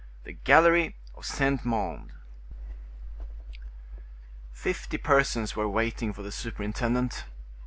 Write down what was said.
The Gallery of Saint Mande. Fifty persons were waiting for the superintendent.